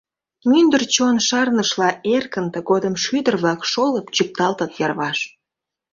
Мӱндыр чон шарнышла эркын тыгодым Шӱдыр-влак шолып чӱкталтыт йырваш.